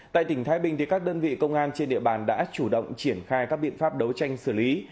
tại tỉnh thái bình các đơn vị công an trên địa bàn đã chủ động triển khai các biện pháp đấu tranh xử lý